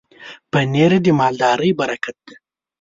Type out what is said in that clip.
پنېر د مالدارۍ برکت دی.